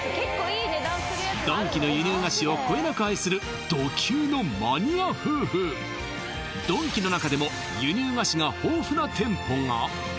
ドンキの輸入菓子をこよなく愛するド級のマニア夫婦ドンキの中でも輸入菓子が豊富な店舗が！？